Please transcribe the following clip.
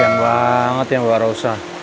keren banget ya mbak rosa